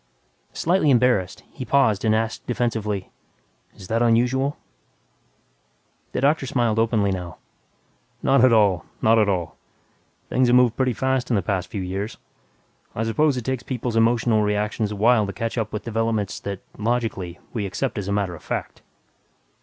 Slightly embarrassed, he paused and asked defensively, "Is that unusual?" The doctor smiled openly now, "Not at all, not at all. Things have moved pretty fast in the past few years. I suppose it takes people's emotional reactions a while to catch up with developments that, logically, we accept as matter of fact."